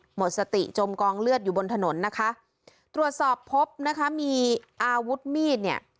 หมดสติจมกองเลือดอยู่บนถนนนะคะตรวจสอบพบนะคะมีอาวุธมีดเนี่ย